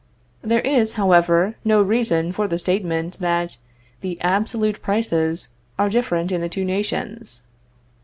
There is, however, no reason for the statement that the absolute prices are different in the two nations.